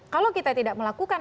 kalau kita tidak melakukan